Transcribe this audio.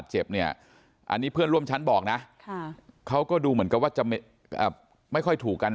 ฉะนั้นบอกนะเขาก็ดูเหมือนแบบว่าไม่ค่อยถูกกัน